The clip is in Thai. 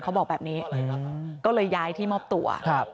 เขาบอกแบบนี้ก็เลยย้ายที่มอบตัวครับ